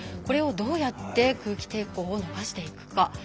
これをどうやって空気抵抗をなくしていくか。